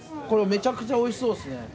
これめちゃくちゃおいしそうですね。